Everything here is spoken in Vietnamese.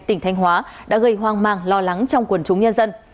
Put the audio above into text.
tỉnh thanh hóa đã gây hoang mang lo lắng trong quần chúng nhân dân